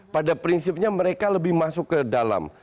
pada prinsipnya mereka lebih masuk ke dalam